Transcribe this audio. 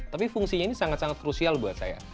tapi fungsinya ini sangat sangat krusial buat saya